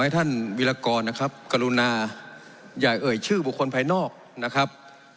ท่านวิรากรนะครับกรุณาอย่าเอ่ยชื่อบุคคลภายนอกนะครับ